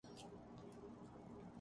وہاں کوئی آسمان نہیں گرا۔